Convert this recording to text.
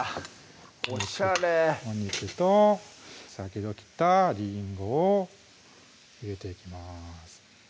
おしゃれお肉と先ほど切ったりんごを入れていきます